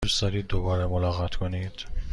دوست دارید دوباره ملاقات کنید؟